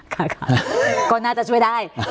ค่ะก็น่าจะช่วยได้